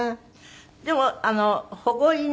でも保護犬？